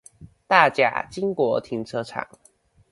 大甲經國停車場